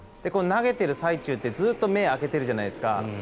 投げている最中ってずっと目を開けているじゃないですか。